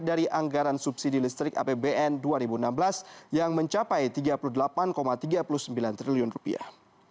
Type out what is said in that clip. dari anggaran subsidi listrik apbn dua ribu enam belas yang mencapai tiga puluh delapan tiga puluh sembilan triliun rupiah